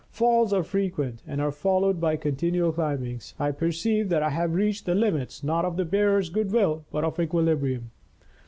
Falls are frequent and are followed by continual climbings. I perceive that I have reached the limits not of the bearer's good will, but of equilibrium.